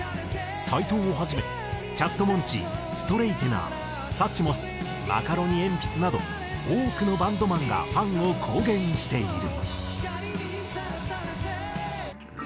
斎藤をはじめチャットモンチーストレイテナーＳｕｃｈｍｏｓマカロニえんぴつなど多くのバンドマンがファンを公言している。